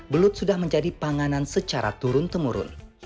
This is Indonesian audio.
belut sudah menjadi panganan secara turun temurun